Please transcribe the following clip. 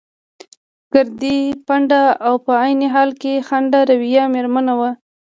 ګردۍ، پنډه او په عین حال کې خنده رویه مېرمن وه.